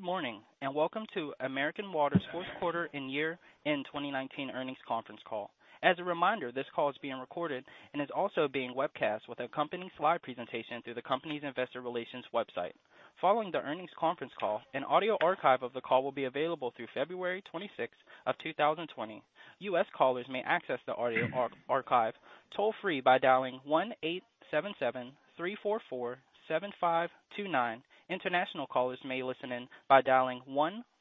Good morning, welcome to American Water's Fourth Quarter and Year-end 2019 Earnings Conference Call. As a reminder, this call is being recorded and is also being webcast with a company slide presentation through the company's investor relations website. Following the earnings conference call, an audio archive of the call will be available through February 26th of 2020. U.S. callers may access the audio archive toll-free by dialing 1-877-344-7529. International callers may listen in by dialing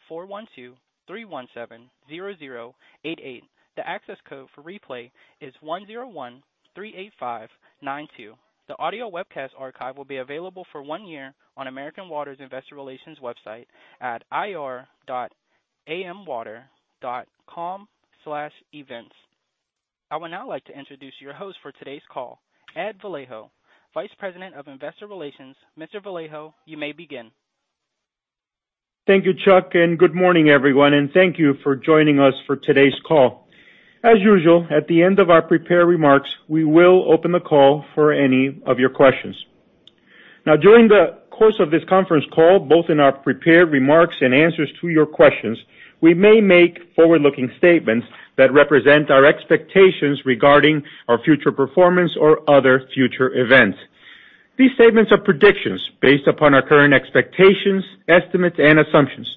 1-412-317-0088. The access code for replay is 10138592. The audio webcast archive will be available for one year on American Water's investor relations website at ir.amwater.com/events. I would now like to introduce your host for today's call, Ed Vallejo, Vice President of Investor Relations. Mr. Vallejo, you may begin. Thank you, Chuck. Good morning, everyone, and thank you for joining us for today's call. As usual, at the end of our prepared remarks, we will open the call for any of your questions. During the course of this conference call, both in our prepared remarks and answers to your questions, we may make forward-looking statements that represent our expectations regarding our future performance or other future events. These statements are predictions based upon our current expectations, estimates, and assumptions.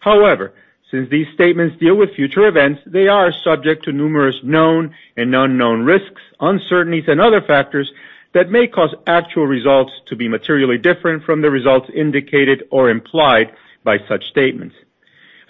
However, since these statements deal with future events, they are subject to numerous known and unknown risks, uncertainties, and other factors that may cause actual results to be materially different from the results indicated or implied by such statements.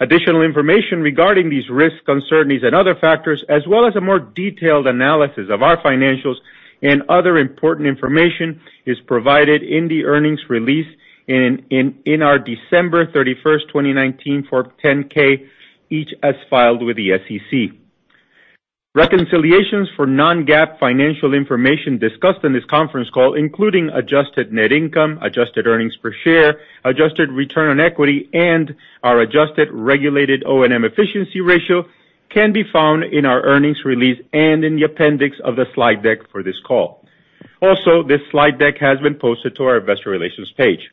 Additional information regarding these risks, uncertainties, and other factors, as well as a more detailed analysis of our financials and other important information is provided in the earnings release in our December 31st, 2019 Form 10-K, each as filed with the SEC. Reconciliations for non-GAAP financial information discussed in this conference call, including adjusted net income, adjusted earnings per share, adjusted return on equity, and our adjusted regulated O&M efficiency ratio can be found in our earnings release and in the appendix of the slide deck for this call. Also, this slide deck has been posted to our investor relations page.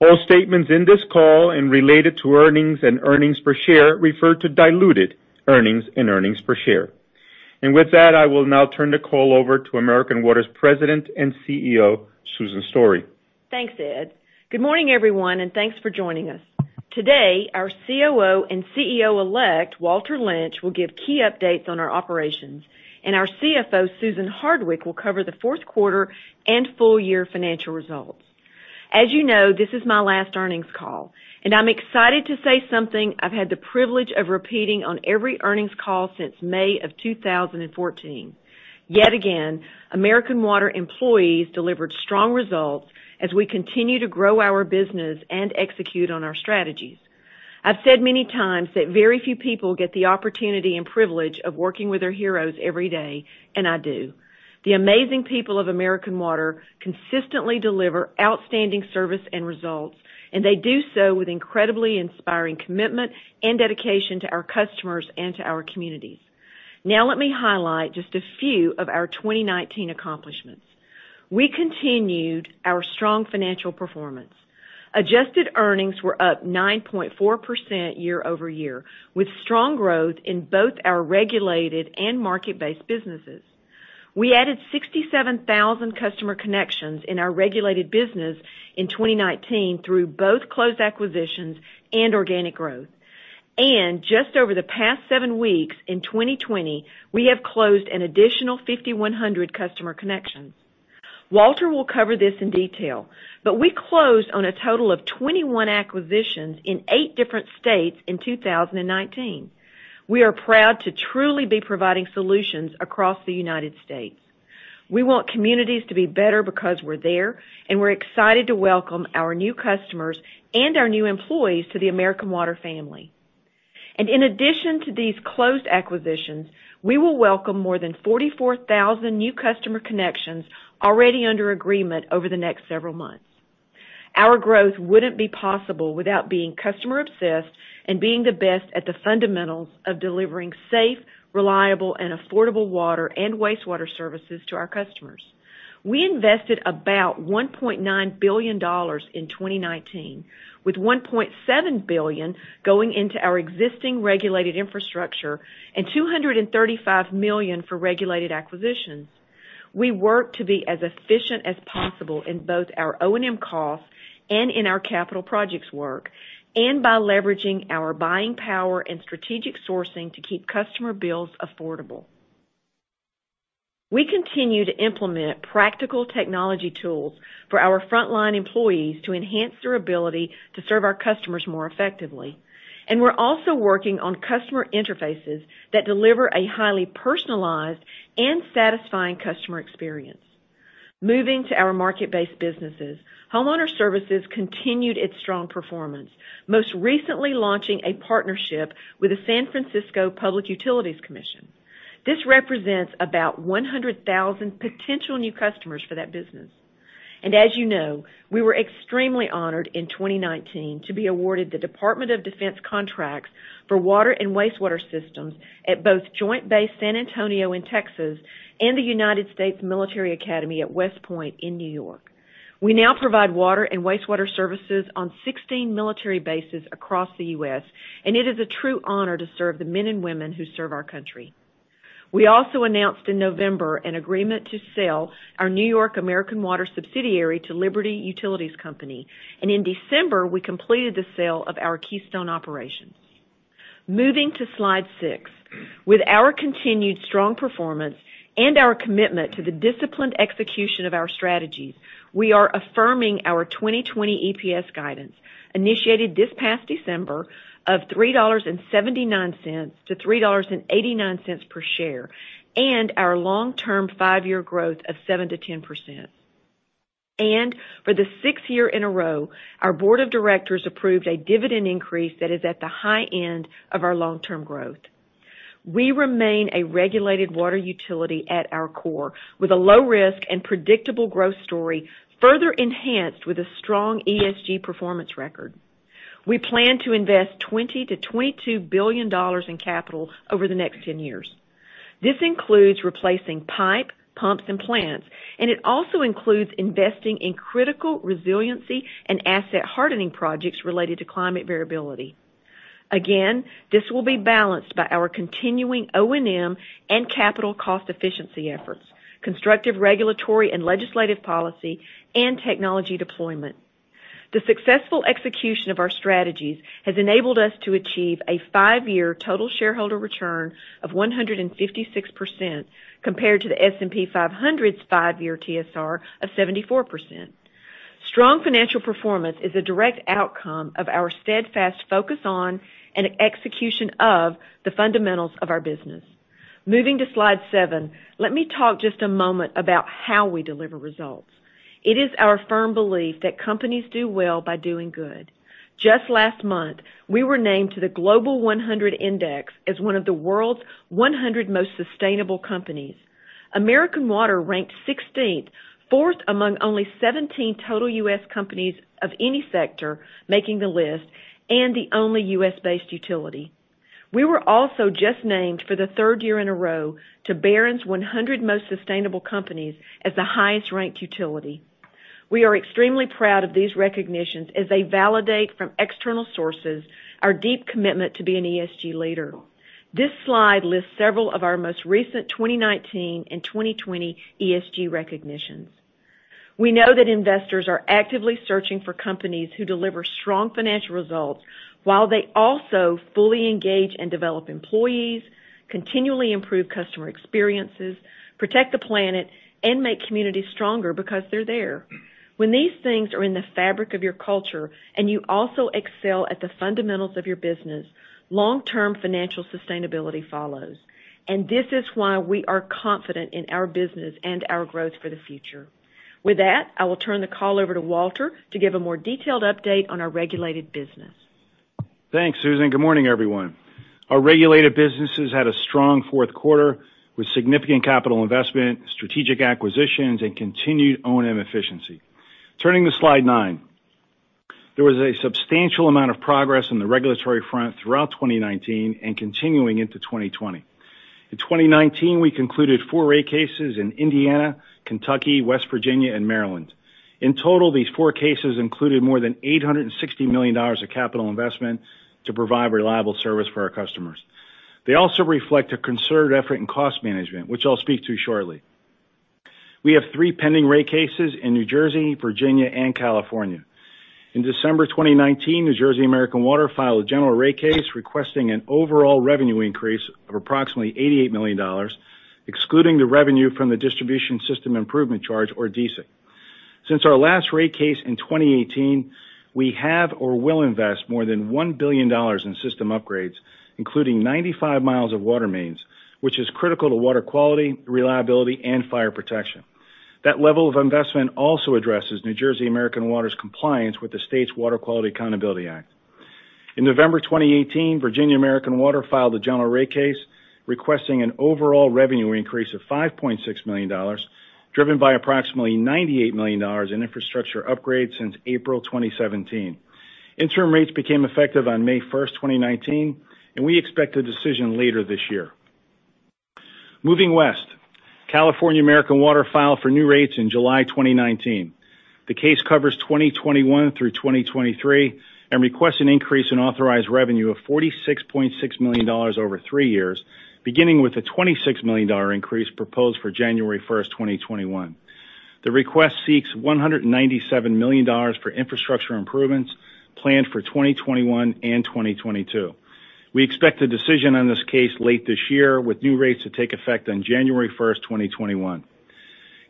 All statements in this call and related to earnings and earnings per share refer to diluted earnings and earnings per share. With that, I will now turn the call over to American Water's President and CEO, Susan Story. Thanks, Ed. Good morning, everyone. Thanks for joining us. Today, our COO and CEO elect, Walter Lynch, will give key updates on our operations, and our CFO, Susan Hardwick, will cover the fourth quarter and full year financial results. As you know, this is my last earnings call, and I'm excited to say something I've had the privilege of repeating on every earnings call since May of 2014. Yet again, American Water employees delivered strong results as we continue to grow our business and execute on our strategies. I've said many times that very few people get the opportunity and privilege of working with their heroes every day, and I do. The amazing people of American Water consistently deliver outstanding service and results, and they do so with incredibly inspiring commitment and dedication to our customers and to our communities. Now, let me highlight just a few of our 2019 accomplishments. We continued our strong financial performance. Adjusted earnings were up 9.4% year-over-year, with strong growth in both our regulated and market-based businesses. We added 67,000 customer connections in our regulated business in 2019 through both closed acquisitions and organic growth. Just over the past seven weeks in 2020, we have closed an additional 5,100 customer connections. Walter will cover this in detail, we closed on a total of 21 acquisitions in eight different states in 2019. We are proud to truly be providing solutions across the United States. We want communities to be better because we're there, we're excited to welcome our new customers and our new employees to the American Water family. In addition to these closed acquisitions, we will welcome more than 44,000 new customer connections already under agreement over the next several months. Our growth wouldn't be possible without being customer obsessed and being the best at the fundamentals of delivering safe, reliable, and affordable water and wastewater services to our customers. We invested about $1.9 billion in 2019, with $1.7 billion going into our existing regulated infrastructure and $235 million for regulated acquisitions. We work to be as efficient as possible in both our O&M costs and in our capital projects work, and by leveraging our buying power and strategic sourcing to keep customer bills affordable. We continue to implement practical technology tools for our frontline employees to enhance their ability to serve our customers more effectively. We're also working on customer interfaces that deliver a highly personalized and satisfying customer experience. Moving to our market-based businesses, Homeowner Services continued its strong performance, most recently launching a partnership with the San Francisco Public Utilities Commission. This represents about 100,000 potential new customers for that business. As you know, we were extremely honored in 2019 to be awarded the Department of Defense contracts for water and wastewater systems at both Joint Base San Antonio in Texas and the United States Military Academy at West Point in New York. We now provide water and wastewater services on 16 military bases across the U.S., and it is a true honor to serve the men and women who serve our country. We also announced in November an agreement to sell our New York American Water subsidiary to Liberty Utilities Company. In December, we completed the sale of our Keystone operations. Moving to slide six. With our continued strong performance and our commitment to the disciplined execution of our strategies, we are affirming our 2020 EPS guidance, initiated this past December of $3.79-$3.89 per share, and our long-term five-year growth of 7%-10%. For the sixth year in a row, our board of directors approved a dividend increase that is at the high end of our long-term growth. We remain a regulated water utility at our core, with a low risk and predictable growth story further enhanced with a strong ESG performance record. We plan to invest $20 billion-$22 billion in capital over the next 10 years. This includes replacing pipe, pumps, and plants, and it also includes investing in critical resiliency and asset hardening projects related to climate variability. Again, this will be balanced by our continuing O&M and capital cost efficiency efforts, constructive regulatory and legislative policy, and technology deployment. The successful execution of our strategies has enabled us to achieve a five-year total shareholder return of 156%, compared to the S&P 500's five-year TSR of 74%. Strong financial performance is a direct outcome of our steadfast focus on and execution of the fundamentals of our business. Moving to slide seven, let me talk just a moment about how we deliver results. It is our firm belief that companies do well by doing good. Just last month, we were named to the Global 100 Index as one of the world's 100 most sustainable companies. American Water ranked 16th, fourth among only 17 total U.S. companies of any sector making the list, and the only U.S.-based utility. We were also just named for the third year in a row to Barron's 100 Most Sustainable Companies as the highest-ranked utility. We are extremely proud of these recognitions as they validate from external sources our deep commitment to be an ESG leader. This slide lists several of our most recent 2019 and 2020 ESG recognitions. We know that investors are actively searching for companies who deliver strong financial results while they also fully engage and develop employees, continually improve customer experiences, protect the planet, and make communities stronger because they're there. When these things are in the fabric of your culture, and you also excel at the fundamentals of your business, long-term financial sustainability follows. This is why we are confident in our business and our growth for the future. With that, I will turn the call over to Walter to give a more detailed update on our regulated business. Thanks, Susan. Good morning, everyone. Our regulated businesses had a strong fourth quarter with significant capital investment, strategic acquisitions, and continued O&M efficiency. Turning to slide nine. There was a substantial amount of progress in the regulatory front throughout 2019 and continuing into 2020. In 2019, we concluded four rate cases in Indiana, Kentucky, West Virginia, and Maryland. In total, these four cases included more than $860 million of capital investment to provide reliable service for our customers. They also reflect a concerted effort in cost management, which I'll speak to shortly. We have three pending rate cases in New Jersey, Virginia, and California. In December 2019, New Jersey American Water filed a general rate case requesting an overall revenue increase of approximately $88 million, excluding the revenue from the distribution system improvement charge, or DSIC. Since our last rate case in 2018, we have or will invest more than $1 billion in system upgrades, including 95 miles of water mains, which is critical to water quality, reliability, and fire protection. That level of investment also addresses New Jersey American Water's compliance with the state's Water Quality Accountability Act. In November 2018, Virginia American Water filed a general rate case requesting an overall revenue increase of $5.6 million, driven by approximately $98 million in infrastructure upgrades since April 2017. Interim rates became effective on May 1st, 2019, and we expect a decision later this year. Moving west, California American Water filed for new rates in July 2019. The case covers 2021 through 2023 and requests an increase in authorized revenue of $46.6 million over three years, beginning with a $26 million increase proposed for January 1st, 2021. The request seeks $197 million for infrastructure improvements planned for 2021 and 2022. We expect a decision on this case late this year, with new rates to take effect on January 1st, 2021.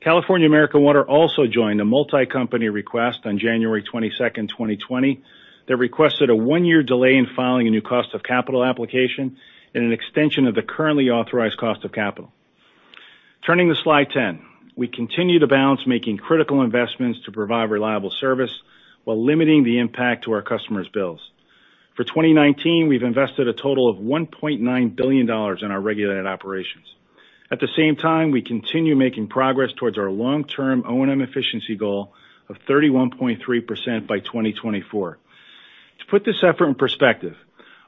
California American Water also joined a multi-company request on January 22, 2020, that requested a one-year delay in filing a new cost of capital application and an extension of the currently authorized cost of capital. Turning to slide 10. We continue to balance making critical investments to provide reliable service while limiting the impact to our customers' bills. For 2019, we've invested a total of $1.9 billion in our regulated operations. At the same time, we continue making progress towards our long-term O&M efficiency goal of 31.3% by 2024. To put this effort in perspective,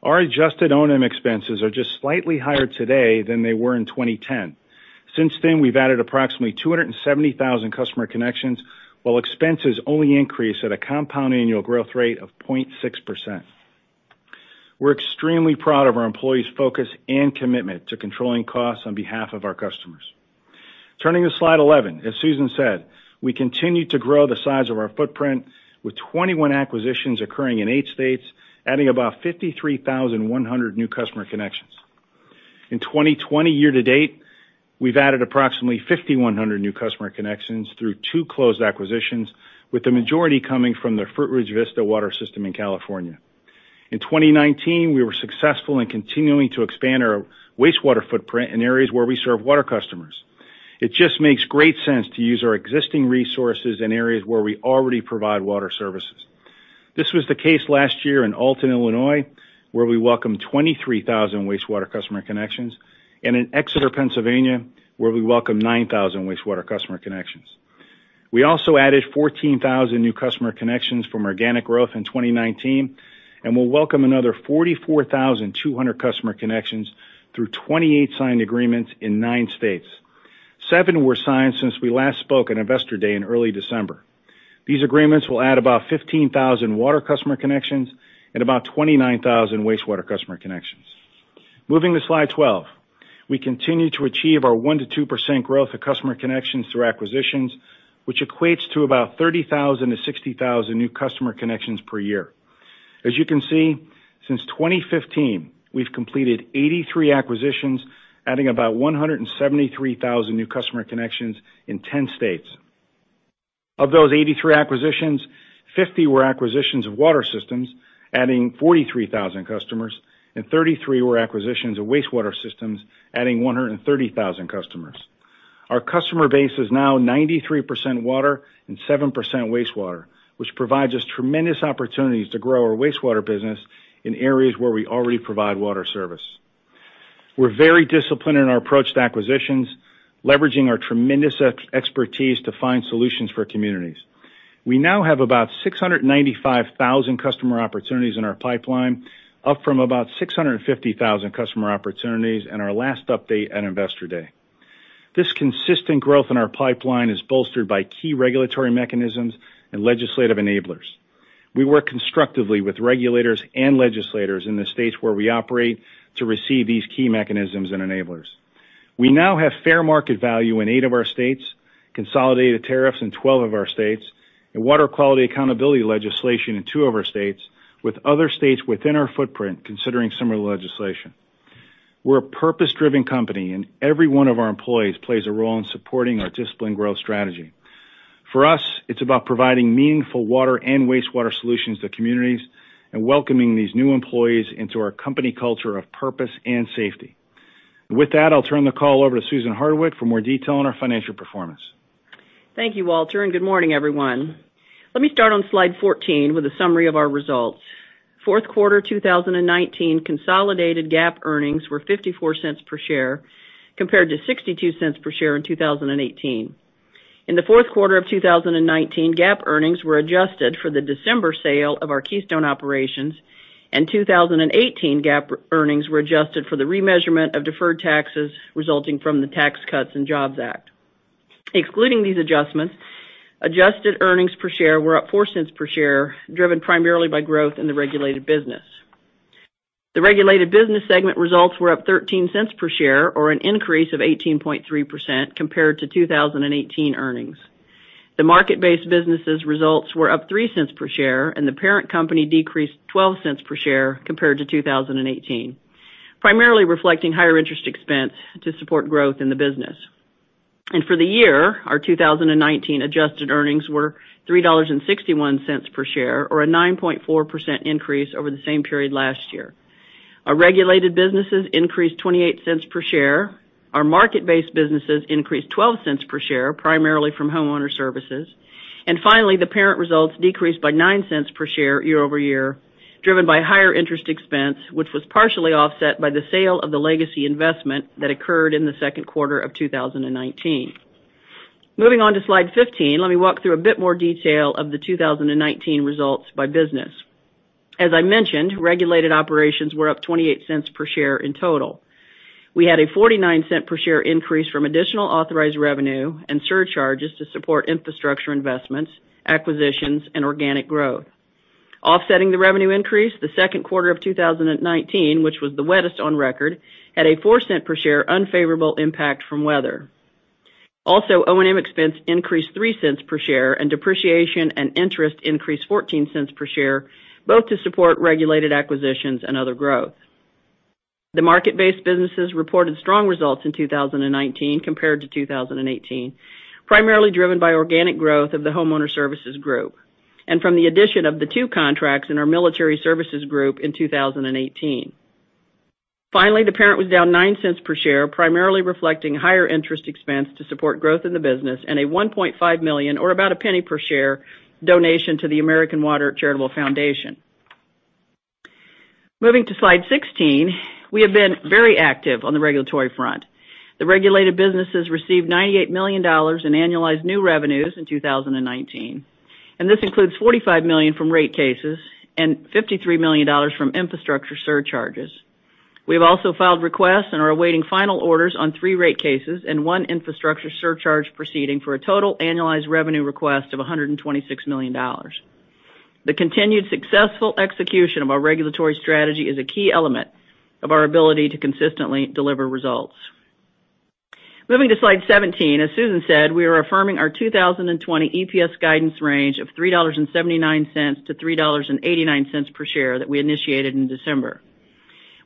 our adjusted O&M expenses are just slightly higher today than they were in 2010. Since then, we've added approximately 270,000 customer connections, while expenses only increased at a compound annual growth rate of 0.6%. We're extremely proud of our employees' focus and commitment to controlling costs on behalf of our customers. Turning to slide 11, as Susan said, we continue to grow the size of our footprint with 21 acquisitions occurring in eight states, adding about 53,100 new customer connections. In 2020 year-to-date, we've added approximately 5,100 new customer connections through two closed acquisitions, with the majority coming from the Fruitridge Vista Water system in California. In 2019, we were successful in continuing to expand our wastewater footprint in areas where we serve water customers. It just makes great sense to use our existing resources in areas where we already provide water services. This was the case last year in Alton, Illinois, where we welcomed 23,000 wastewater customer connections, and in Exeter, Pennsylvania, where we welcomed 9,000 wastewater customer connections. We also added 14,000 new customer connections from organic growth in 2019, and we'll welcome another 44,200 customer connections through 28 signed agreements in nine states. Seven were signed since we last spoke on Investor Day in early December. These agreements will add about 15,000 water customer connections and about 29,000 wastewater customer connections. Moving to slide 12. We continue to achieve our 1%-2% growth of customer connections through acquisitions, which equates to about 30,000-60,000 new customer connections per year. As you can see, since 2015, we've completed 83 acquisitions, adding about 173,000 new customer connections in 10 states. Of those 83 acquisitions, 50 were acquisitions of water systems, adding 43,000 customers, and 33 were acquisitions of wastewater systems, adding 130,000 customers. Our customer base is now 93% water and 7% wastewater, which provides us tremendous opportunities to grow our wastewater business in areas where we already provide water service. We're very disciplined in our approach to acquisitions, leveraging our tremendous expertise to find solutions for communities. We now have about 695,000 customer opportunities in our pipeline, up from about 650,000 customer opportunities in our last update at Investor Day. This consistent growth in our pipeline is bolstered by key regulatory mechanisms and legislative enablers. We work constructively with regulators and legislators in the states where we operate to receive these key mechanisms and enablers. We now have fair market value in eight of our states, consolidated tariffs in 12 of our states, and water quality accountability legislation in two of our states, with other states within our footprint considering similar legislation. We're a purpose-driven company, every one of our employees plays a role in supporting our disciplined growth strategy. For us, it's about providing meaningful water and wastewater solutions to communities and welcoming these new employees into our company culture of purpose and safety. With that, I'll turn the call over to Susan Hardwick for more detail on our financial performance. Thank you, Walter, good morning, everyone. Let me start on slide 14 with a summary of our results. Fourth quarter 2019 consolidated GAAP earnings were $0.54 per share, compared to $0.62 per share in 2018. In the fourth quarter of 2019, GAAP earnings were adjusted for the December sale of our Keystone operations, and 2018 GAAP earnings were adjusted for the remeasurement of deferred taxes resulting from the Tax Cuts and Jobs Act. Excluding these adjustments, adjusted earnings per share were up $0.04 per share, driven primarily by growth in the regulated business. The regulated business segment results were up $0.13 per share or an increase of 18.3% compared to 2018 earnings. The market-based businesses results were up $0.03 per share, and the parent company decreased $0.12 per share compared to 2018, primarily reflecting higher interest expense to support growth in the business. For the year, our 2019 adjusted earnings were $3.61 per share or a 9.4% increase over the same period last year. Our regulated businesses increased $0.28 per share. Our market-based businesses increased $0.12 per share, primarily from Homeowner Services. Finally, the parent results decreased by $0.09 per share year-over-year, driven by higher interest expense, which was partially offset by the sale of the legacy investment that occurred in the second quarter of 2019. Moving on to slide 15. Let me walk through a bit more detail of the 2019 results by business. As I mentioned, regulated operations were up $0.28 per share in total. We had a $0.49 per share increase from additional authorized revenue and surcharges to support infrastructure investments, acquisitions, and organic growth. Offsetting the revenue increase, the second quarter of 2019, which was the wettest on record, had a $0.04 per share unfavorable impact from weather. Also, O&M expense increased $0.03 per share, and depreciation and interest increased $0.14 per share, both to support regulated acquisitions and other growth. The market-based businesses reported strong results in 2019 compared to 2018, primarily driven by organic growth of the Homeowner Services Group and from the addition of the two contracts in our Military Services Group in 2018. Finally, the parent was down $0.09 per share, primarily reflecting higher interest expense to support growth in the business and a $1.5 million, or about $0.01 per share, donation to the American Water Charitable Foundation. Moving to slide 16, we have been very active on the regulatory front. The regulated businesses received $98 million in annualized new revenues in 2019. This includes $45 million from rate cases and $53 million from infrastructure surcharges. We have also filed requests and are awaiting final orders on three rate cases and one infrastructure surcharge proceeding for a total annualized revenue request of $126 million. The continued successful execution of our regulatory strategy is a key element of our ability to consistently deliver results. Moving to slide 17, as Susan said, we are affirming our 2020 EPS guidance range of $3.79-$3.89 per share that we initiated in December.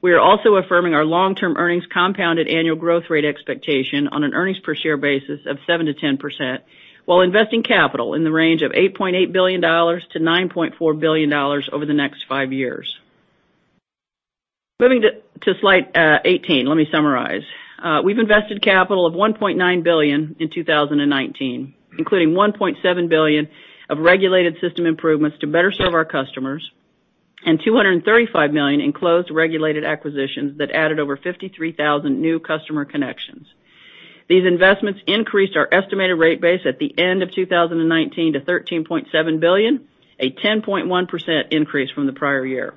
We are also affirming our long-term earnings compounded annual growth rate expectation on an earnings per share basis of 7%-10% while investing capital in the range of $8.8 billion-$9.4 billion over the next five years. Moving to slide 18, let me summarize. We've invested capital of $1.9 billion in 2019, including $1.7 billion of regulated system improvements to better serve our customers, and $235 million in closed regulated acquisitions that added over 53,000 new customer connections. These investments increased our estimated rate base at the end of 2019 to $13.7 billion, a 10.1% increase from the prior year.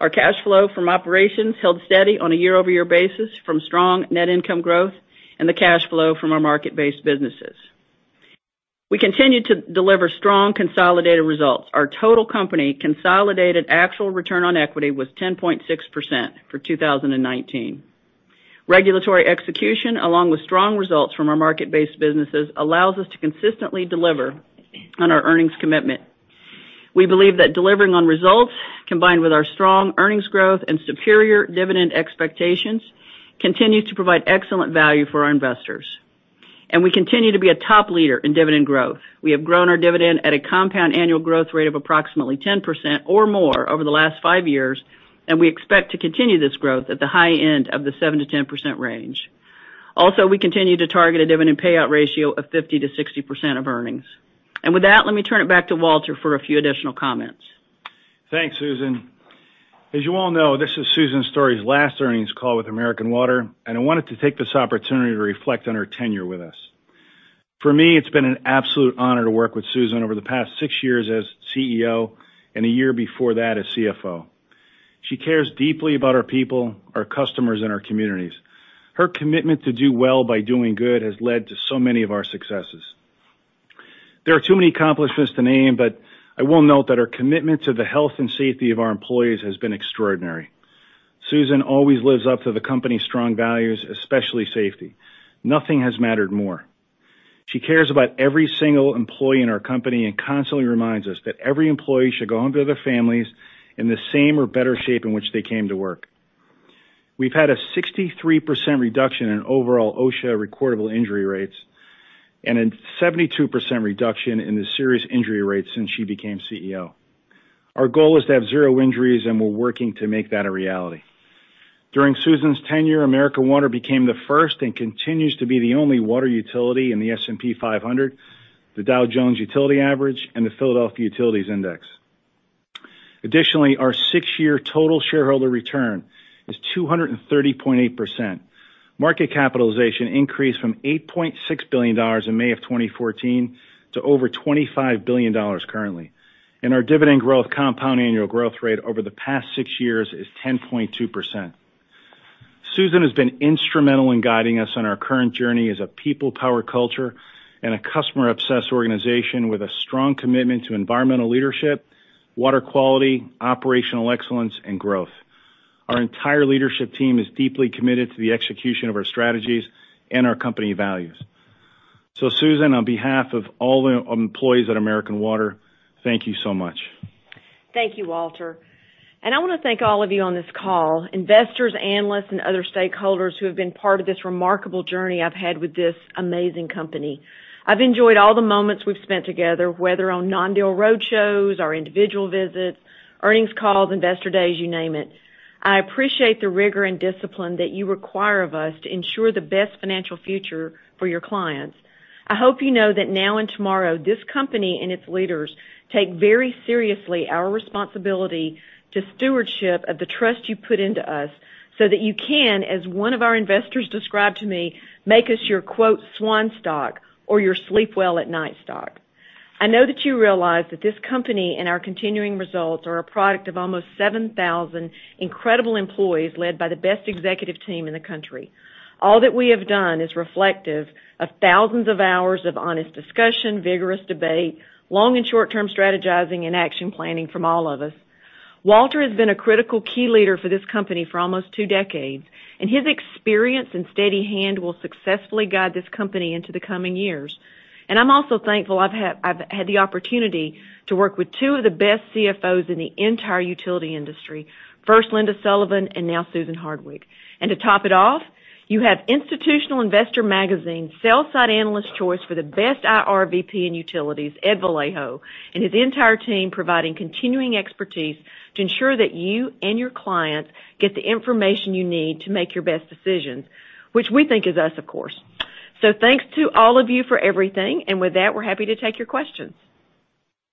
Our cash flow from operations held steady on a year-over-year basis from strong net income growth and the cash flow from our market-based businesses. We continued to deliver strong consolidated results. Our total company consolidated actual return on equity was 10.6% for 2019. Regulatory execution, along with strong results from our market-based businesses, allows us to consistently deliver on our earnings commitment. We believe that delivering on results, combined with our strong earnings growth and superior dividend expectations, continues to provide excellent value for our investors, and we continue to be a top leader in dividend growth. We have grown our dividend at a compound annual growth rate of approximately 10% or more over the last five years, we expect to continue this growth at the high end of the 7%-10% range. Also, we continue to target a dividend payout ratio of 50%-60% of earnings. With that, let me turn it back to Walter for a few additional comments. Thanks, Susan. As you all know, this is Susan Story's last earnings call with American Water, and I wanted to take this opportunity to reflect on her tenure with us. For me, it's been an absolute honor to work with Susan over the past six years as CEO, and a year before that as CFO. She cares deeply about our people, our customers, and our communities. Her commitment to do well by doing good has led to so many of our successes. There are too many accomplishments to name, but I will note that her commitment to the health and safety of our employees has been extraordinary. Susan always lives up to the company's strong values, especially safety. Nothing has mattered more. She cares about every single employee in our company and constantly reminds us that every employee should go home to their families in the same or better shape in which they came to work. We've had a 63% reduction in overall OSHA recordable injury rates and a 72% reduction in the serious injury rate since she became CEO. Our goal is to have zero injuries, and we're working to make that a reality. During Susan's tenure, American Water became the first, and continues to be the only water utility in the S&P 500, the Dow Jones Utility Average, and the PHLX Utility Sector Index. Our six-year total shareholder return is 230.8%. Market capitalization increased from $8.6 billion in May of 2014 to over $25 billion currently, and our dividend growth compound annual growth rate over the past six years is 10.2%. Susan has been instrumental in guiding us on our current journey as a people-powered culture and a customer-obsessed organization with a strong commitment to environmental leadership, water quality, operational excellence, and growth. Our entire leadership team is deeply committed to the execution of our strategies and our company values. Susan, on behalf of all the employees at American Water, thank you so much. Thank you, Walter. I want to thank all of you on this call, investors, analysts, and other stakeholders who have been part of this remarkable journey I've had with this amazing company. I've enjoyed all the moments we've spent together, whether on non-deal roadshows, our individual visits, earnings calls, Investor Day, you name it. I appreciate the rigor and discipline that you require of us to ensure the best financial future for your clients. I hope you know that now and tomorrow, this company and its leaders take very seriously our responsibility to stewardship of the trust you put into us so that you can, as one of our investors described to me, make us your "SWAN stock" or your sleep well at night stock. I know that you realize that this company and our continuing results are a product of almost 7,000 incredible employees led by the best executive team in the country. All that we have done is reflective of thousands of hours of honest discussion, vigorous debate, long and short-term strategizing, and action planning from all of us. Walter has been a critical key leader for this company for almost two decades, and his experience and steady hand will successfully guide this company into the coming years. I'm also thankful I've had the opportunity to work with two of the best CFOs in the entire utility industry. First Linda Sullivan, and now Susan Hardwick. And to top it off, you have Institutional Investor Magazine sell-side analyst choice for the best IR VP in utilities, Ed Vallejo, and his entire team providing continuing expertise to ensure that you and your clients get the information you need to make your best decisions, which we think is us, of course. Thanks to all of you for everything. With that, we're happy to take your questions.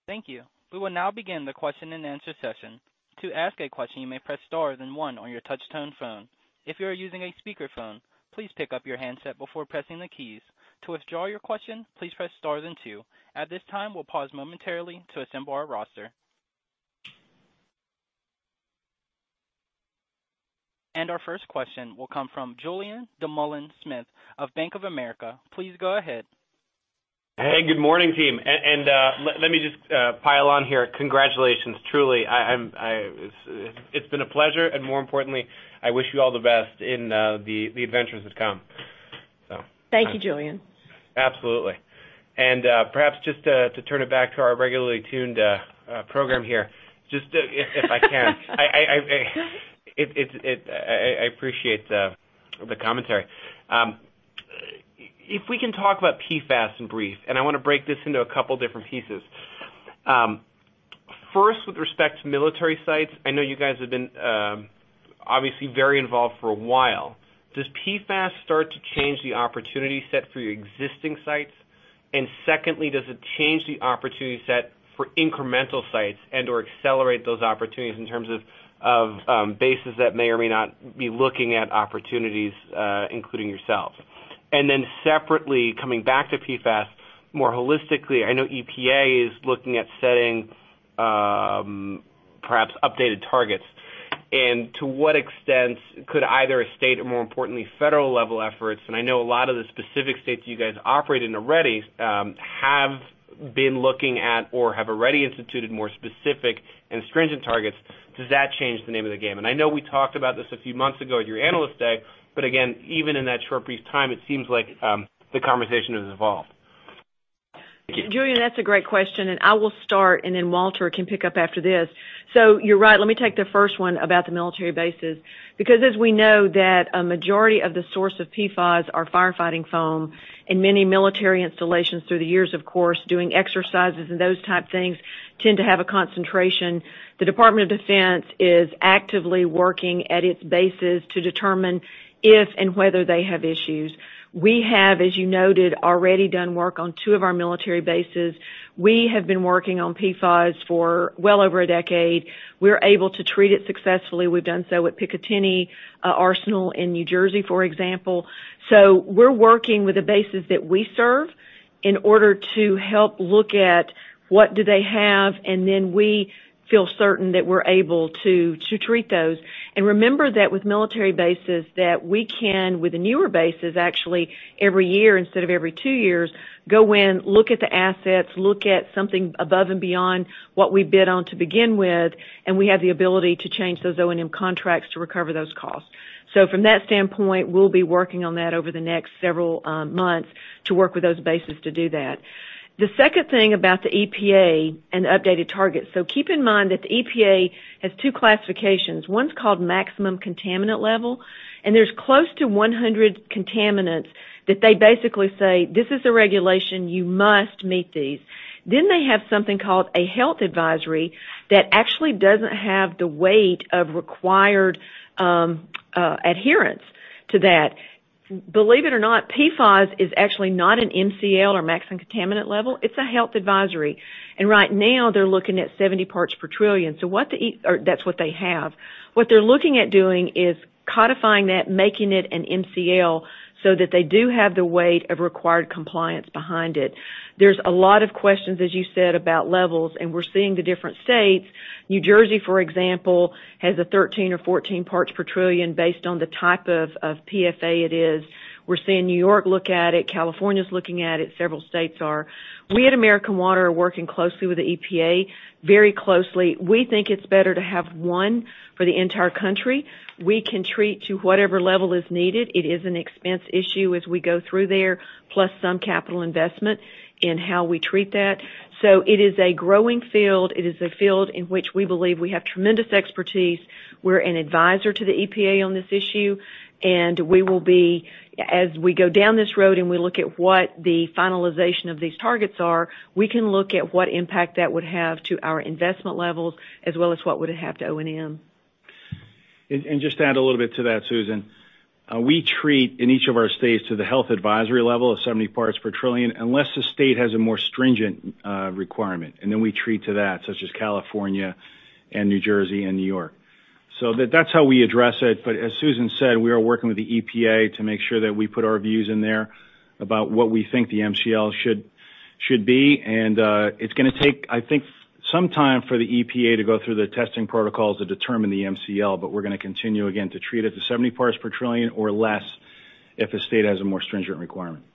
Thank you. We will now begin the question and answer session. To ask a question, you may press star then one on your touch-tone phone. If you are using a speakerphone, please pick up your handset before pressing the keys. To withdraw your question, please press star then two. At this time, we'll pause momentarily to assemble our roster. Our first question will come from Julien Dumoulin-Smith of Bank of America. Please go ahead. Hey, good morning, team. Let me just pile on here. Congratulations, truly. It's been a pleasure, and more importantly, I wish you all the best in the adventures to come. Thank you, Julien. Absolutely. Perhaps just to turn it back to our regularly tuned program here, just if I can. I appreciate the commentary. If we can talk about PFAS in brief, and I want to break this into a couple different pieces. First, with respect to military sites, I know you guys have been obviously very involved for a while. Does PFAS start to change the opportunity set for your existing sites? Secondly, does it change the opportunity set for incremental sites and/or accelerate those opportunities in terms of bases that may or may not be looking at opportunities, including yourselves? Separately, coming back to PFAS more holistically, I know EPA is looking at setting perhaps updated targets. To what extent could either a state or more importantly, federal-level efforts, I know a lot of the specific states you guys operate in already have been looking at or have already instituted more specific and stringent targets. Does that change the name of the game? I know we talked about this a few months ago at your Analyst Day, but again, even in that short brief time, it seems like the conversation has evolved. Julien, that's a great question. I will start, and then Walter can pick up after this. You're right. Let me take the first one about the military bases. As we know that a majority of the source of PFAS are firefighting foam in many military installations through the years, of course, doing exercises and those type of things tend to have a concentration. The Department of Defense is actively working at its bases to determine if and whether they have issues. We have, as you noted, already done work on two of our military bases. We have been working on PFAS for well over a decade. We're able to treat it successfully. We've done so at Picatinny Arsenal in New Jersey, for example. We're working with the bases that we serve in order to help look at what do they have, and then we feel certain that we're able to treat those. Remember that with military bases that we can, with the newer bases, actually, every year instead of every two years, go in, look at the assets, look at something above and beyond what we bid on to begin with, and we have the ability to change those O&M contracts to recover those costs. From that standpoint, we'll be working on that over the next several months to work with those bases to do that. The second thing about the EPA and the updated targets. Keep in mind that the EPA has two classifications. One's called Maximum Contaminant Level, and there's close to 100 contaminants that they basically say, "This is a regulation. You must meet these. They have something called a health advisory that actually doesn't have the weight of required adherence to that. Believe it or not, PFAS is actually not an MCL or Maximum Contaminant Level. It's a health advisory. Right now, they're looking at 70 parts per trillion. That's what they have. What they're looking at doing is codifying that, making it an MCL so that they do have the weight of required compliance behind it. There's a lot of questions, as you said, about levels, and we're seeing the different states. New Jersey, for example, has a 13 or 14 parts per trillion based on the type of PFAS it is. We're seeing New York look at it. California's looking at it. Several states are. We at American Water are working closely with the EPA, very closely. We think it's better to have one for the entire country. We can treat to whatever level is needed. It is an expense issue as we go through there, plus some capital investment in how we treat that. It is a growing field. It is a field in which we believe we have tremendous expertise. We're an advisor to the EPA on this issue, and we will be, as we go down this road and we look at what the finalization of these targets are, we can look at what impact that would have to our investment levels as well as what would it have to O&M. Just to add a little bit to that, Susan. We treat in each of our states to the Health Advisory level of 70 parts per trillion, unless the state has a more stringent requirement, and then we treat to that, such as California and New Jersey and New York. That's how we address it. As Susan said, we are working with the EPA to make sure that we put our views in there about what we think the MCL should be. It's going to take, I think, some time for the EPA to go through the testing protocols to determine the MCL, but we're going to continue again to treat it to 70 parts per trillion or less if a state has a more stringent requirement.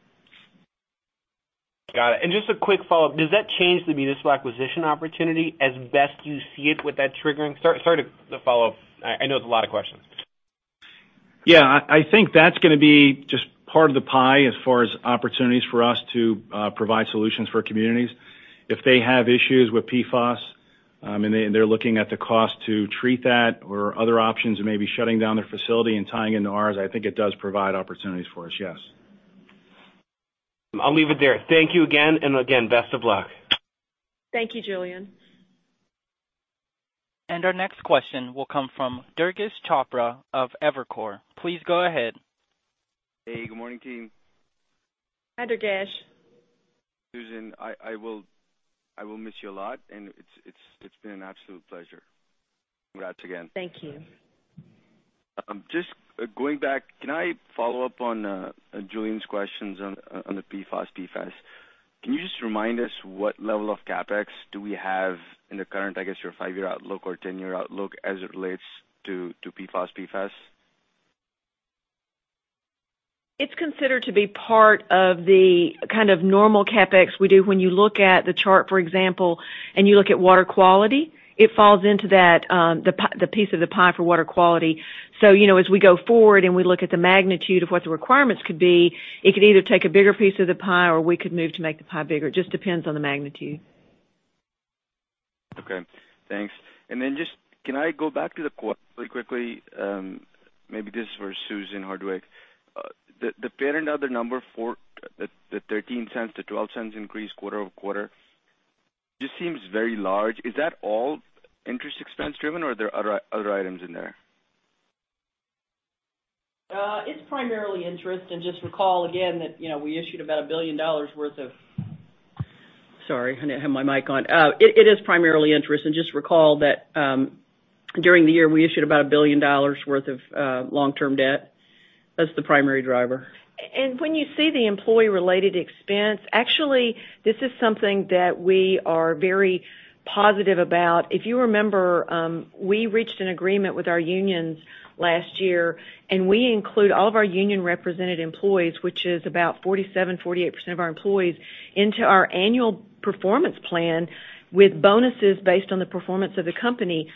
Got it. Just a quick follow-up. Does that change the municipal acquisition opportunity as best you see it with that triggering? Sorry to follow up. I know it's a lot of questions. Yeah, I think that's going to be just part of the pie as far as opportunities for us to provide solutions for communities. If they have issues with PFAS and they're looking at the cost to treat that or other options, maybe shutting down their facility and tying into ours. I think it does provide opportunities for us, yes. I'll leave it there. Thank you again, and again, best of luck. Thank you, Julien. Our next question will come from Durgesh Chopra of Evercore. Please go ahead. Hey, good morning, team. Hi, Durgesh. Susan, I will miss you a lot, and it's been an absolute pleasure. Congrats again. Thank you. Just going back, can I follow up on Julien's questions on the PFAS? Can you just remind us what level of CapEx do we have in the current, I guess, your five-year outlook or 10-year outlook as it relates to PFAS? It's considered to be part of the kind of normal CapEx we do. When you look at the chart, for example, and you look at water quality, it falls into the piece of the pie for water quality. As we go forward and we look at the magnitude of what the requirements could be, it could either take a bigger piece of the pie or we could move to make the pie bigger. It just depends on the magnitude. Okay, thanks. Just, can I go back to the quarter really quickly? Maybe this is for Susan Hardwick. The parent other number for the $0.13-$0.12 increase quarter-over-quarter just seems very large. Is that all interest expense-driven, or are there other items in there? It is primarily interest, and just recall that during the year, we issued about $1 billion worth of long-term debt. That's the primary driver. When you see the employee-related expense, actually, this is something that we are very positive about. If you remember, we reached an agreement with our unions last year, and we include all of our union-represented employees, which is about 47%, 48% of our employees, into our annual performance plan with bonuses based on the performance of the company.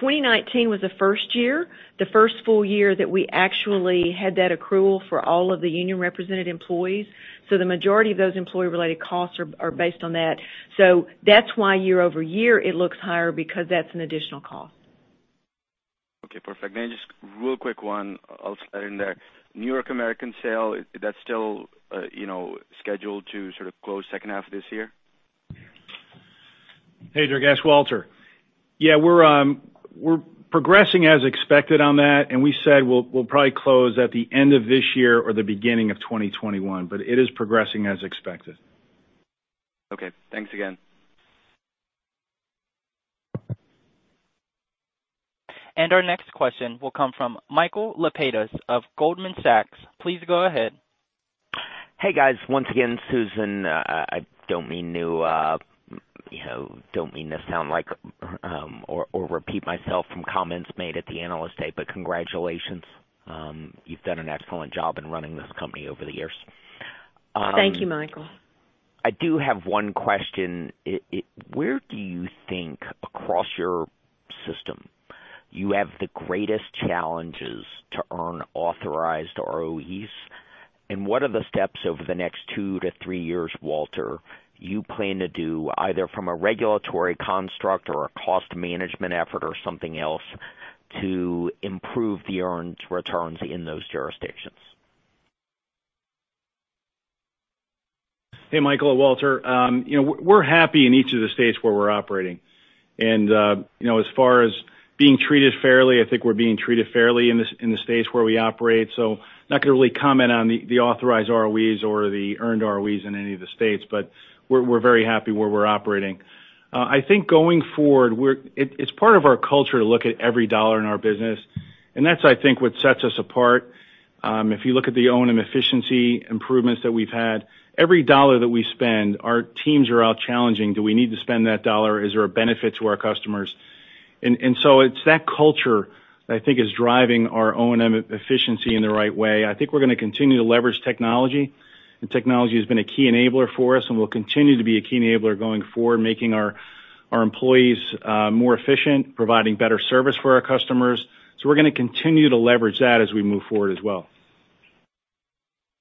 2019 was the first year, the first full year that we actually had that accrual for all of the union-represented employees. The majority of those employee-related costs are based on that. That's why year-over-year it looks higher because that's an additional cost. Okay, perfect. Just real quick one also in there. New York American sale, is that still scheduled to sort of close second half of this year? Hey, Durgesh, Walter. Yeah, we're progressing as expected on that. We said we'll probably close at the end of this year or the beginning of 2021. It is progressing as expected. Okay. Thanks again. Our next question will come from Michael Lapides of Goldman Sachs. Please go ahead. Hey, guys. Once again, Susan, I don't mean to sound like or repeat myself from comments made at the Analyst Day. Congratulations. You've done an excellent job in running this company over the years. Thank you, Michael. I do have one question. Where do you think across your system you have the greatest challenges to earn authorized ROEs? What are the steps over the next two-three years, Walter, you plan to do either from a regulatory construct or a cost management effort or something else to improve the earned returns in those jurisdictions? Hey, Michael. Walter. We're happy in each of the states where we're operating. As far as being treated fairly, I think we're being treated fairly in the states where we operate. Not going to really comment on the authorized ROEs or the earned ROEs in any of the states. We're very happy where we're operating. I think going forward, it's part of our culture to look at every dollar in our business, and that's, I think, what sets us apart. If you look at the O&M efficiency improvements that we've had, every dollar that we spend, our teams are out challenging. Do we need to spend that dollar? Is there a benefit to our customers? It's that culture that I think is driving our O&M efficiency in the right way. I think we're going to continue to leverage technology. Technology has been a key enabler for us and will continue to be a key enabler going forward, making our employees more efficient, providing better service for our customers. We're going to continue to leverage that as we move forward as well.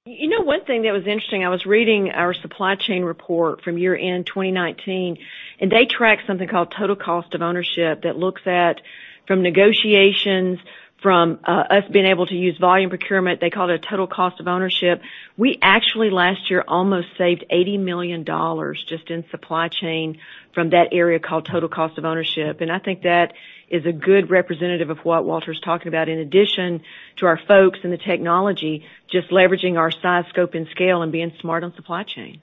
You know one thing that was interesting, I was reading our supply chain report from year-end 2019, they track something called total cost of ownership that looks at from negotiations, from us being able to use volume procurement. They call it a total cost of ownership. We actually last year almost saved $80 million just in supply chain from that area called total cost of ownership. I think that is a good representative of what Walter's talking about. In addition to our folks and the technology, just leveraging our size, scope, and scale and being smart on supply chain.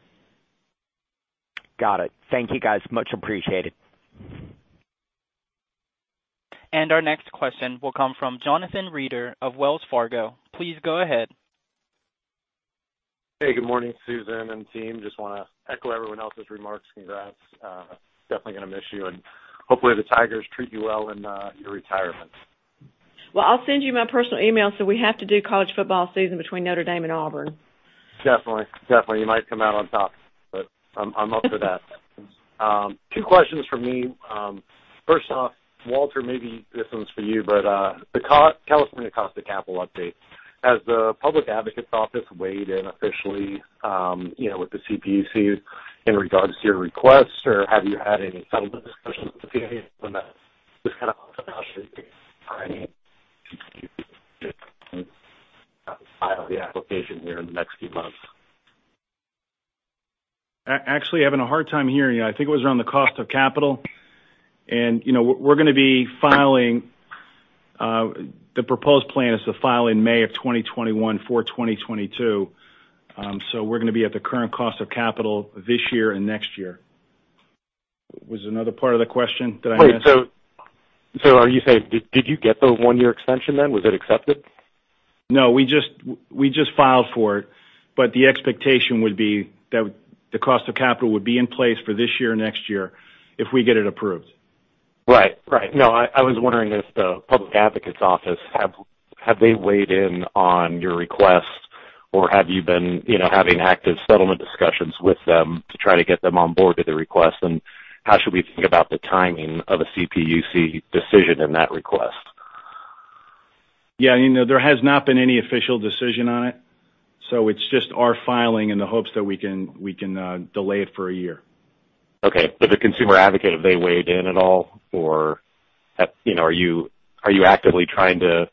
Got it. Thank you, guys. Much appreciated. Our next question will come from Jonathan Reeder of Wells Fargo. Please go ahead. Hey, good morning, Susan and team. Just want to echo everyone else's remarks. Congrats. Definitely going to miss you, and hopefully the Tigers treat you well in your retirement. Well, I'll send you my personal email, so we have to do college football season between Notre Dame and Auburn. Definitely. You might come out on top, but I'm up for that. Two questions from me. First off, Walter, maybe this one's for you, but the California cost of capital update. Has the public advocate's office weighed in officially with the CPUC in regards to your request, or have you had any settlement discussions with the CPUC on that? Just kind of want some update About the file of the application here in the next few months. Actually, having a hard time hearing you. I think it was around the cost of capital. We're going to be filing, the proposed plan is to file in May of 2021 for 2022. We're going to be at the current cost of capital this year and next year. Was there another part of the question that I missed? Wait, are you saying, did you get the one-year extension then? Was it accepted? No, we just filed for it. The expectation would be that the cost of capital would be in place for this year or next year if we get it approved. Right. I was wondering if the public advocate's office, have they weighed in on your request, or have you been having active settlement discussions with them to try to get them on board with the request, and how should we think about the timing of a CPUC decision in that request? Yeah. There has not been any official decision on it, so it's just our filing in the hopes that we can delay it for a year. Okay. The consumer advocate, have they weighed in at all, or are you actively trying to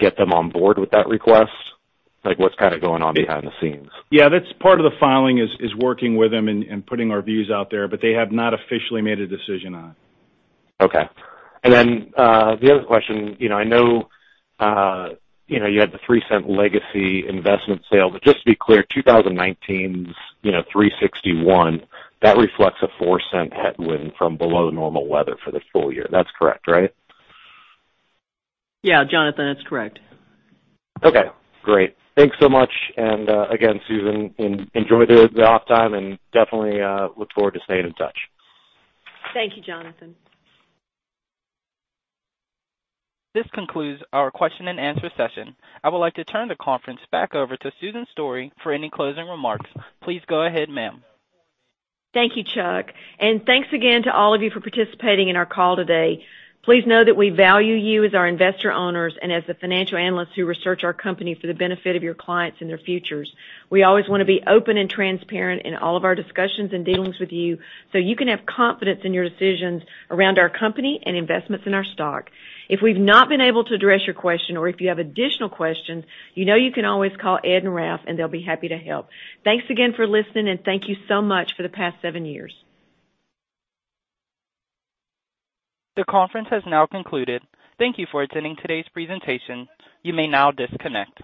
get them on board with that request? What's kind of going on behind the scenes? Yeah, that's part of the filing is working with them and putting our views out there. They have not officially made a decision on it. Okay. The other question. I know you had the $0.03 legacy investment sale. Just to be clear, 2019's $3.61, that reflects a $0.04 headwind from below normal weather for the full year. That's correct, right? Yeah, Jonathan, that's correct. Okay, great. Thanks so much. Again, Susan, enjoy the off time and definitely look forward to staying in touch. Thank you, Jonathan. This concludes our question-and-answer session. I would like to turn the conference back over to Susan Story for any closing remarks. Please go ahead, ma'am. Thank you, Chuck. Thanks again to all of you for participating in our call today. Please know that we value you as our investor owners and as the financial analysts who research our company for the benefit of your clients and their futures. We always want to be open and transparent in all of our discussions and dealings with you so you can have confidence in your decisions around our company and investments in our stock. If we've not been able to address your question or if you have additional questions, you know you can always call Ed and Ralph, and they'll be happy to help. Thanks again for listening, and thank you so much for the past seven years. The conference has now concluded. Thank you for attending today's presentation. You may now disconnect.